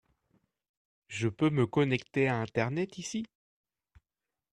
Je peux me connecter à Internet ici ?